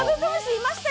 いました。